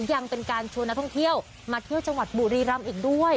ยังเป็นการชวนนักท่องเที่ยวมาเที่ยวจังหวัดบุรีรำอีกด้วย